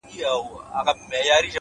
صادق زړه له دروغو دروند نه وي,